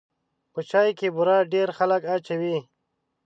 په چای کې بوره ډېر خلک اچوي.